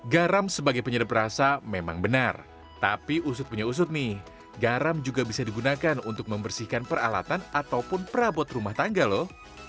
garam sebagai penyedap rasa memang benar tapi usut punya usut nih garam juga bisa digunakan untuk membersihkan peralatan ataupun perabot rumah tangga loh